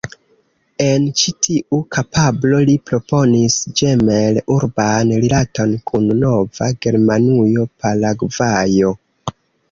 En ĉi tiu kapablo li proponis ĝemel-urban rilaton kun Nova Germanujo, Paragvajo.